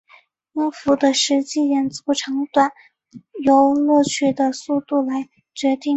音符的实际演奏长短由乐曲的速度来决定。